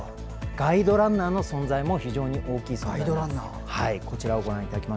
ガイドランナーの存在も非常に大きい存在です。